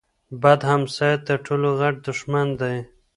بد همسایه تر ټولو غټ دښمن دی.